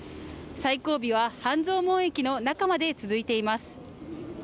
最後尾は半蔵門駅の中まで続いています。